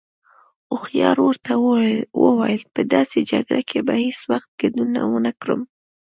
هوښيار ورته وويل: په داسې جگړه کې به هیڅ وخت گډون ونکړم.